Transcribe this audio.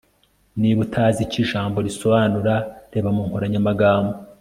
niba utazi icyo ijambo risobanura, reba mu nkoranyamagambo